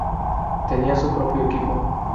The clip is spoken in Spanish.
Tenía su propio equipo.